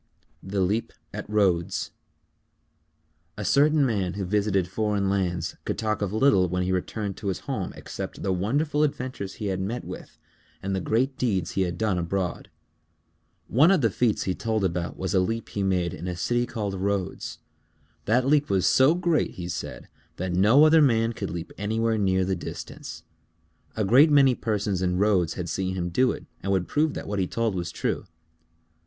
_ THE LEAP AT RHODES A certain man who visited foreign lands could talk of little when he returned to his home except the wonderful adventures he had met with and the great deeds he had done abroad. One of the feats he told about was a leap he had made in a city Called Rhodes. That leap was so great, he said, that no other man could leap anywhere near the distance. A great many persons in Rhodes had seen him do it and would prove that what he told was true.